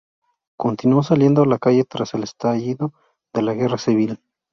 Continuó saliendo a la calle tras el estallido de la Guerra civil.